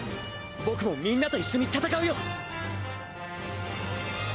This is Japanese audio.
僕もみんなと一緒に戦うよ！